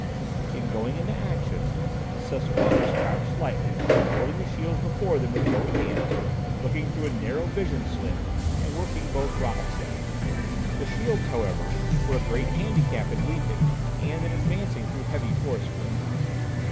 In going into action, the Susquannas crouched slightly, holding the shields before them with both hands, looking through a narrow vision slit, and working both rocket guns. The shields, however, were a great handicap in leaping, and in advancing through heavy forest growth.